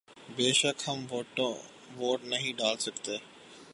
بے شک ہم ووٹ نہیں ڈال سکتے